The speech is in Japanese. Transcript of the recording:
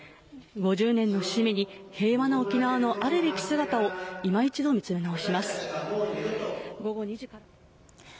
５０年の節目に平和な沖縄のあるべき姿をいま一度、見つめ直します。